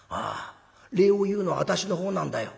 礼を言うのは私のほうなんだよ。